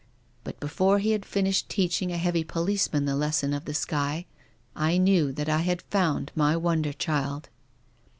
Before he had finished teaching a heavy policeman the les sons of the sky, I knew that I had found my wonder child."